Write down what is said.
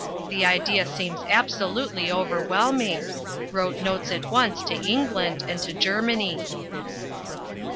The idea seems absolutely overwhelming. Wrote notes at once to England and to Germany.